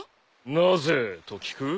「なぜ？」と聞く？